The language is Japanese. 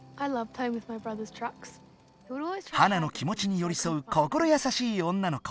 ハナのきもちによりそう心やさしい女の子。